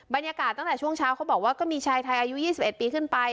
บรรยากาศตั้งแต่ช่วงเช้าเขาบอกว่าก็มีชายไทยอายุ๒๑ปีขึ้นไป